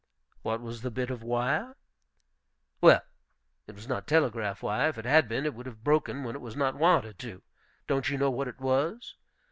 "What was the bit of wire?" Well, it was not telegraph wire. If it had been, it would have broken when it was not wanted to. Don't you know what it was?